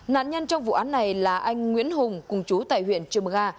nạn nhân trong vụ án này là anh nguyễn hùng cùng chú tại huyện trư mờ ga